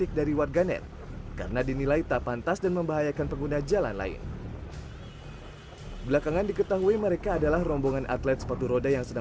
ini tentunya tidak dibenarkan dari aturan yang ada